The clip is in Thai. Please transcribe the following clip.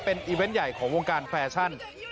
เป็นอีเวนต์ใหญ่ของวงการแฟชั่น